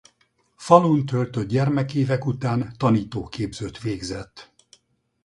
Falun töltött gyermekévek után tanítóképzőt végzett.